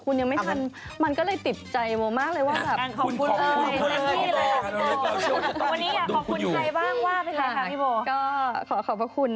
ของแบบทีไม่ต้องรออะไร